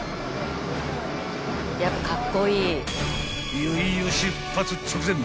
［いよいよ出発直前］